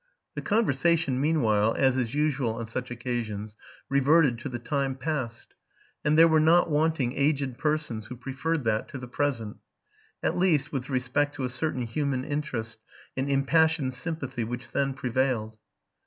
The conversation, meanwhile, as is usual on such occasions, reverted to the time past; and there were not wanting aged persons who preferred that to the ft Serene least, with respect to a certain human interest and impassioned sympathy which then prevailed.